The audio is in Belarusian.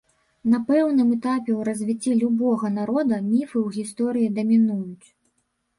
На пэўным этапе ў развіцці любога народа міфы ў гісторыі дамінуюць.